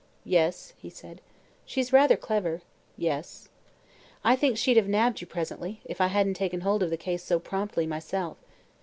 "Yes," he said. "She's rather clever." "Yes." "I think she'd have nabbed you, presently, if I hadn't taken hold of the case so promptly myself.